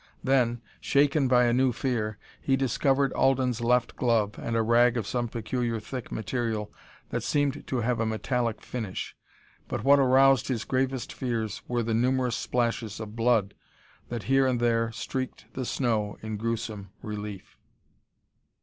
Then, shaken by a new fear, he discovered Alden's left glove and a rag of some peculiar thick material that seemed to have a metallic finish. But what aroused his gravest fears were the numerous splashes of blood that here and there streaked the snow in gruesome relief.